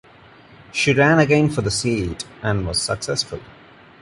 She ran again for the seat, and was successful.